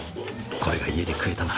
これが家で食えたなら。